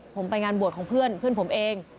ผมไปงานบวชของเพื่อนเพื่อนผมเอง